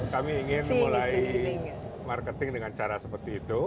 kami ingin mulai marketing dengan cara seperti itu